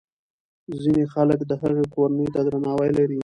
ځینې خلک د هغه کورنۍ ته درناوی لري.